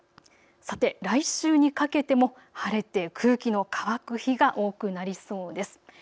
来週にかけても晴れて空気の乾く日が多くなりそうです。